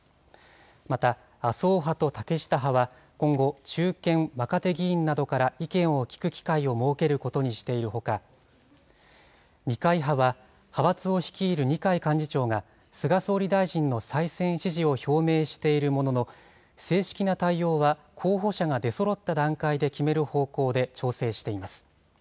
また麻生派と竹下派は今後、中堅、若手議員などから意見を聞く機会を設けることにしているほか、二階派は派閥を率いる二階幹事長が菅総理大臣の再選支持を表明しているものの、正式な対応は候補者が出そろった段階で決める方向で調整しています。